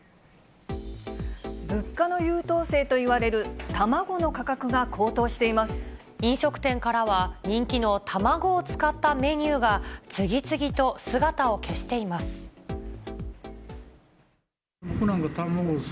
物価の優等生といわれる卵の飲食店からは、人気の卵を使ったメニューが、次々と姿を消しています。